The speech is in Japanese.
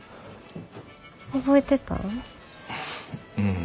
覚えてたん？